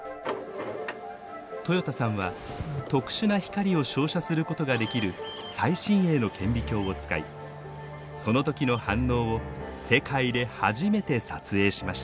豊田さんは特殊な光を照射することができる最新鋭の顕微鏡を使いその時の反応を世界で初めて撮影しました。